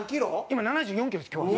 今７４キロです今日は。